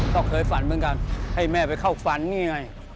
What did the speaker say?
ก็เคยฝันเหมือนกันให้แม่ไปเข้าฝันนี่ไง